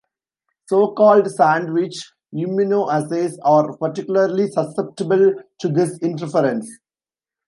So-called 'sandwich' immunoassays are particularly susceptible to this interference.